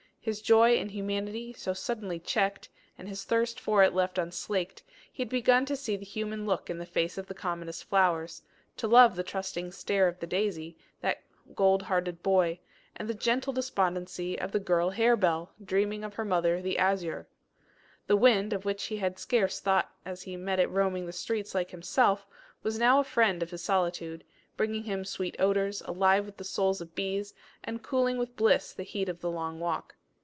His joy in humanity so suddenly checked, and his thirst for it left unslaked, he had begun to see the human look in the face of the commonest flowers, to love the trusting stare of the daisy, that gold hearted boy, and the gentle despondency of the girl harebell, dreaming of her mother, the azure. The wind, of which he had scarce thought as he met it roaming the streets like himself, was now a friend of his solitude, bringing him sweet odours, alive with the souls of bees, and cooling with bliss the heat of the long walk.